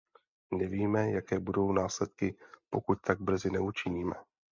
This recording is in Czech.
Nevíme, jaké budou následky, pokud tak brzy neučiníme.